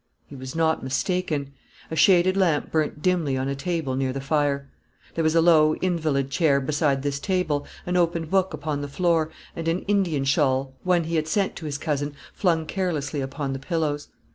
He was not mistaken. A shaded lamp burnt dimly on a table near the fire. There was a low invalid chair beside this table, an open book upon the floor, and an Indian shawl, one he had sent to his cousin, flung carelessly upon the pillows.